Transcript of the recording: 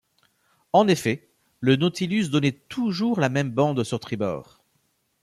En effet, le Nautilus donnait toujours la même bande sur tribord.